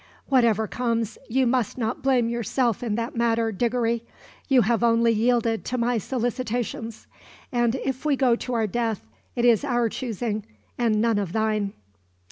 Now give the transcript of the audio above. "Whatever comes, you must not blame yourself in that matter, Diggory. You have only yielded to my solicitations, and if we go to our death it is our choosing, and none of thine."